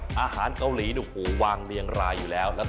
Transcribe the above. เอาล่ะเดินทางมาถึงในช่วงไฮไลท์ของตลอดกินในวันนี้แล้วนะครับ